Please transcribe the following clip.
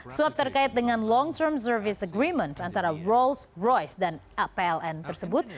suap terkait dengan long term service agreement antara rolls royce dan apln tersebut